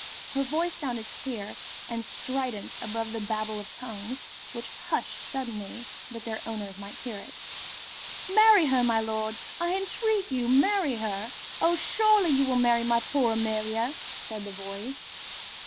Her voice sounded clear and strident above the babel of tongues, which hushed suddenly that their owners might hear it. "Marry her, my lord! I entreat you to marry her! Oh, surely you will marry my poor Amelia!" said the voice.